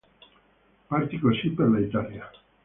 Partì così per l'Italia.